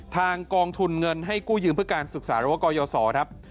กองทุนเงินให้กู้ยืมเพื่อการศึกษาหรือว่ากยศครับ